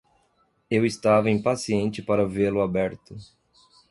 Eu estava impaciente para vê-lo aberto.